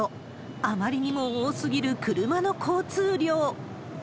あまりにも多すぎる車の交通量。